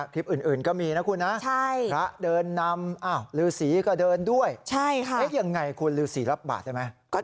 คลิปอื่นก็มีนะคุณนะพระเดินนำฤษีก็เดินด้วยยังไงคุณฤษีรับบาทได้ไหม